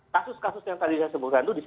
kasus kasus yang tadi saya sebutkan itu